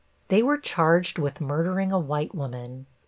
They were charged with murdering a white woman.